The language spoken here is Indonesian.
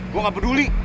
gue gak peduli